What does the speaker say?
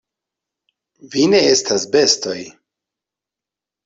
Vi ne estas bestoj!